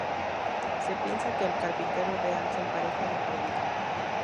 Se piensa que el Carpintero real se empareja de por vida.